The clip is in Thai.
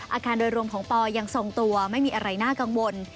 อาการโดยรวมของปอยังทรงตัวไม่มีอะไรน่ากังวล